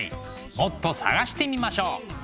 もっと探してみましょう。